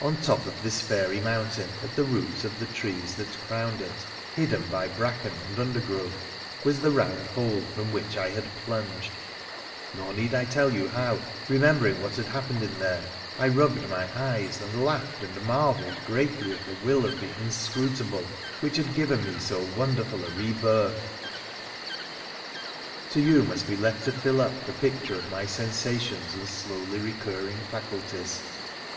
On top of this fairy mountain, at the roots of the trees that crowned it, hidden by bracken and undergrowth, was the round hole from which I had plunged ; nor need I tell you how, remembering what had happened in there, I rubbed my eyes, and laughed and marvelled greatly at the will of the Inscrutable, which had given me so wonderful a re birth. To you must be left to fill up the picture of my sensation3 and slowly recurring faculties.